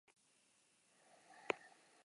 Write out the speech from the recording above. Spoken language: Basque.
Alorra kokapen sozialaren espazioa da.